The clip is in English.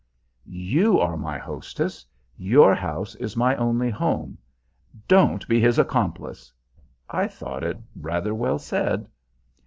"You are my hostess. Your house is my only home. Don't be his accomplice!" I thought it rather well said.